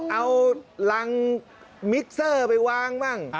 เอารังมิกเซอร์ไปวางบ้าง